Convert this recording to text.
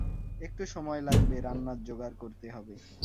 একটু সময় লাগবে, রান্নার জোগাড় করতে হবে।